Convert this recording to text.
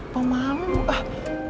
apa malu ah